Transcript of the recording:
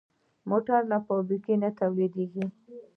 موټر له فابریکې نه تولیدېږي.